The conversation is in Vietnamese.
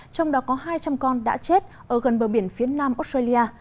trong đó có hai trăm linh con đã chết ở gần bờ biển phía nam australia